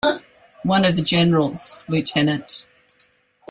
One of the generals, Lieut.